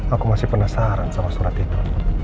aku masih penasaran sama surat itu